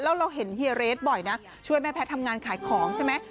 แล้วเราเห็นเฮียเรทบ่อยนะช่วยแม่แพทย์ทำงานขายของใช่ไหม